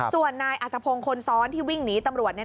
ส่วนนายอัตภพงศ์คนซ้อนที่วิ่งหนีตำรวจ